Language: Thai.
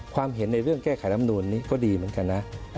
ความเห็นในเรื่องแก้ไขรำนูนนี้ก็ดีเหมือนกันนะ